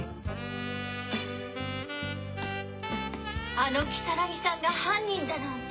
あの如月さんが犯人だなんて。